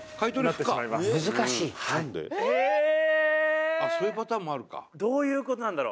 あっそういうパターンもあるか。